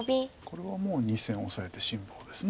これはもう２線オサえて辛抱です。